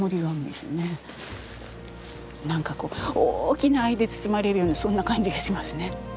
何かこう大きな愛で包まれるようなそんな感じがしますね。